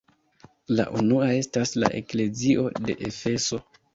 La unua estas la eklezio de Efeso.